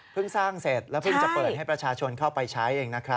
สร้างเสร็จแล้วเพิ่งจะเปิดให้ประชาชนเข้าไปใช้เองนะครับ